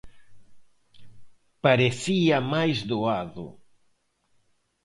Parecía máis doado.